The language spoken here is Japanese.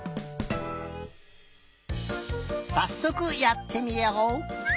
さっそくやってみよう！